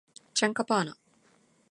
チャンカパーナ